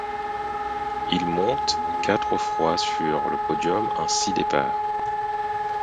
Il monte quatre fois sur le podium en six departs.